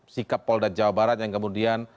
sikap polda jawa barat yang kemudian